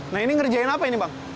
nah ini ngerjain apa ini bang